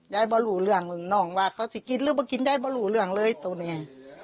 มารู้เรื่องน้องว่าเขาจะกินหรือมากินยายไม่รู้เรื่องเลยตัวนี้